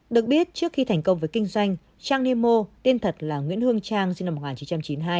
được biết trước khi thành công với kinh doanh trang nimo tên thật là nguyễn hương trang sinh năm một nghìn chín trăm chín mươi hai